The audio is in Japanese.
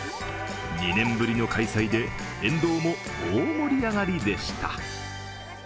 ２年ぶりの開催で、沿道も大盛上がりでした。